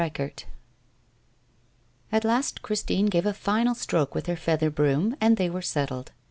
VIII AT last Christine gave a final stroke with her feather broom, and they were settled.